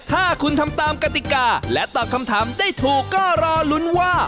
ถ้าคุณทำตามกติกาและตอบคำถามได้ถูกก็รอลุ้นว่า